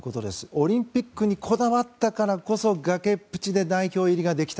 オリンピックにこだわったからこそ崖っぷちで代表入りができた。